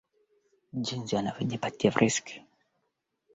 ushindani wa Marekani na nchi za ukomunisti Marekani iliingia